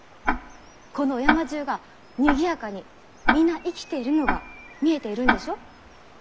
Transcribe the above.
このお山じゅうがにぎやかに皆生きているのが見えているんでしょ？